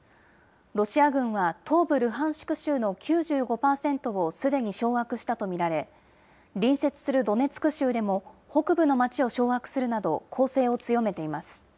ロシア軍は東部ルハンシク州の９５％をすでに掌握したと見られ、隣接するドネツク州でも、北部の町を掌握するなど、攻勢を強めています。